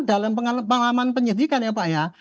dalam pengalaman penyidikan ya pak ya